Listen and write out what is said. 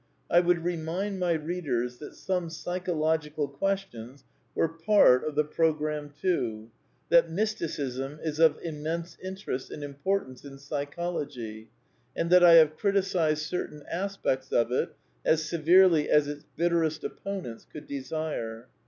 I would remind my readers that some psychological questions were part of the programme too; that mysticism is of immense interest and importance in Psychology; and that I have criticized certain aspects of it as severely as its bitterest opponents could desire.